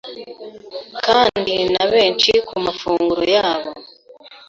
kandi na benshi ku mafunguro yabo